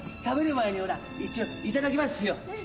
食べる前に一応いただきますしよう。